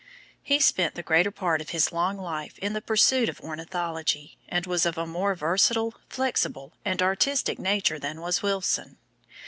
He spent the greater part of his long life in the pursuit of ornithology, and was of a more versatile, flexible, and artistic nature than was Wilson.